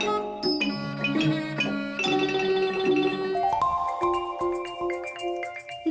ติดต่อโถ่ขนาด๓